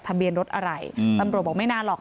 ทะเบียนรถอะไรตำรวจบอกไม่นานหรอก